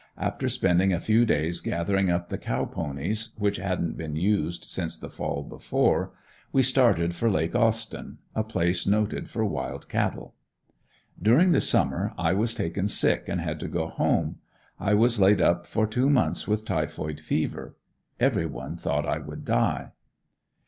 After spending a few days gathering up the cow ponies, which hadn't been used since the fall before, we started for Lake Austin a place noted for wild cattle. During the summer I was taken sick and had to go home. I was laid up for two months with typhoid fever. Every one thought I would die.